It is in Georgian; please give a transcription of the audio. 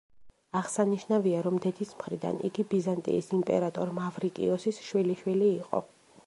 აღსანიშნავია, რომ დედის მხრიდან იგი ბიზანტიის იმპერატორ მავრიკიოსის შვილიშვილი იყო.